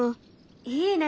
いいね。